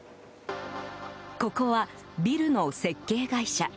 ここは、ビルの設計会社。